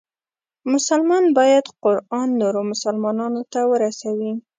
مسلمان باید قرآن نورو مسلمانانو ته ورسوي.